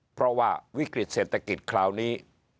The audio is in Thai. เพราะว่าวิกฤตเศรษฐกิจคราวนี้